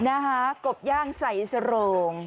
นะคะกบย่างใส่สโรง